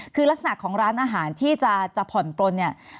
คือลักษณะของร้านอาหารที่จะผ่อนปลนเนี่ย